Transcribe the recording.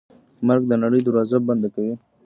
مرګ د نړۍ دروازه بنده کوي.